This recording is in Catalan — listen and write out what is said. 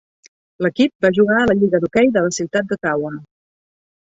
L'equip va jugar a la Lliga de Hockey de la ciutat d'Ottawa.